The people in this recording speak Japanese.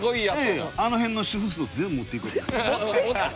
あの辺の主婦層全部持っていこうと思って。